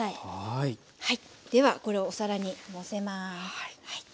ではこれをお皿にのせます。